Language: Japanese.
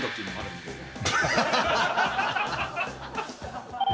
ハハハハ！